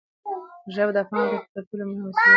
ژبه د افهام او تفهیم تر ټولو مهمه وسیله ده.